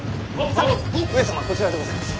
さあ上様こちらでございます。